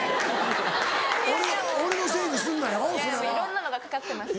いろんなのが懸かってます